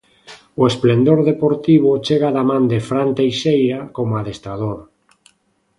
O esplendor deportivo chega da man de Fran Teixeira como adestrador.